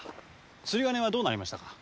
釣り鐘はどうなりましたか？